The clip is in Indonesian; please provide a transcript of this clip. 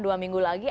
dua minggu lagi